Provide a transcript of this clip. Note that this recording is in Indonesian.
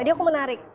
tadi aku menarik